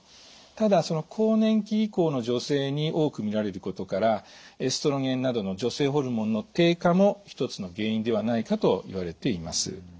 ただ更年期以降の女性に多くみられることからエストロゲンなどの女性ホルモンの低下も一つの原因ではないかといわれています。